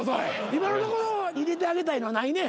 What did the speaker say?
今のところ入れてあげたいのはないね？